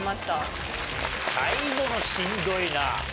最後のしんどいな。